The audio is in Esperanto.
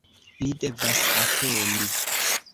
ni devas atendi!